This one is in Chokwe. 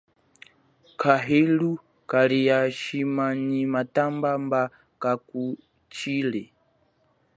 Kahilu kalia shima nyi matamba mba kakutshile.